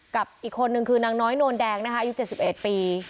กับอีกคนนึงคือนางน้อยโนนแดงนะคะอายุ๗๑ปี